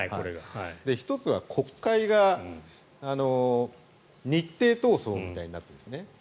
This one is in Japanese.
１つは国会が日程闘争みたいになってるんですね。